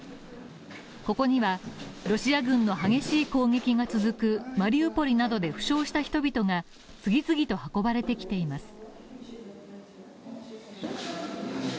ここには、ロシア軍の激しい攻撃が続くマリウポリなどで負傷した人々が次々と運ばれてきています。